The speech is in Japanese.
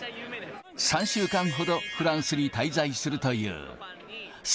３週間ほど、フランスに滞在するという。